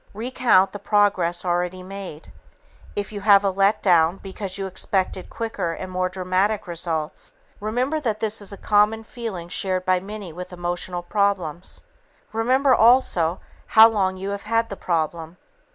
Recount the progress already made. If you have a "let down" because you expected quicker and more dramatic results, remember that this is a common feeling shared by many with emotional problems. Remember, also, how long you have had the problem.